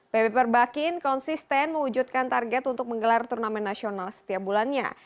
pb perbakin konsisten mewujudkan target untuk menggelar turnamen nasional setiap bulannya